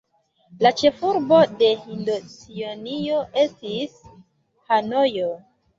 La ĉefurbo de Hindoĉinio estis Hanojo.